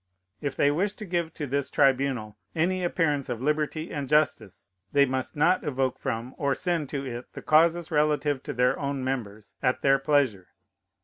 If they wish to give to this tribunal any appearance of liberty and justice, they must not evoke from or send to it the causes relative to their own members, at their pleasure.